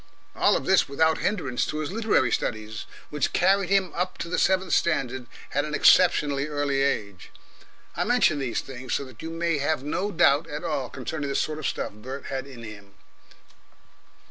All of this without hindrance to his literary studies, which carried him up to the seventh standard at an exceptionally early age. I mention these things so that you may have no doubt at all concerning the sort of stuff Bert had in him.